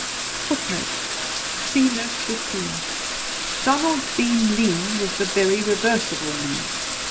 [Footnote: See Note 15.] Donald Bean Lean was the very reverse of all these.